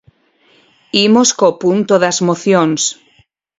Imos co punto das mocións.